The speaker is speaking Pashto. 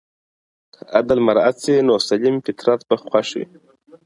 که عدل مراعت سي نو سلیم فطرت به خوښ وي.